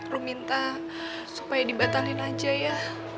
ru minta supaya dibatalin aja ya